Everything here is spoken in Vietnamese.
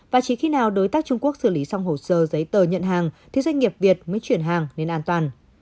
và chỉ khi nào đối tác trung quốc xử lý xong hồ sơ giấy tờ nhận hàng thì doanh nghiệp việt mới chuyển hàng lên an toàn